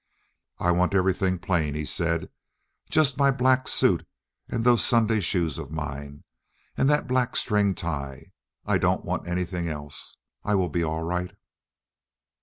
"I want everything plain," he said. "Just my black suit and those Sunday shoes of mine, and that black string tie. I don't want anything else. I will be all right."